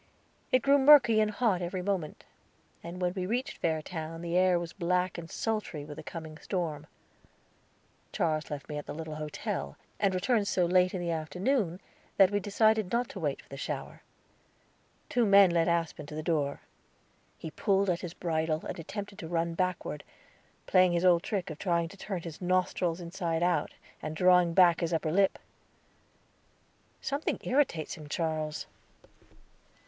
It grew murky and hot every moment, and when we reached Fairtown the air was black and sultry with the coming storm. Charles left me at the little hotel, and returned so late in the afternoon that we decided not to wait for the shower. Two men led Aspen to the door. He pulled at his bridle, and attempted to run backward, playing his old trick of trying to turn his nostrils inside out, and drawing back his upper lip. "Something irritates him, Charles."